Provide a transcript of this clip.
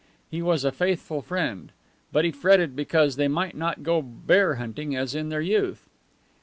He was a faithful friend. But he fretted because they might not go bear hunting as in their youth.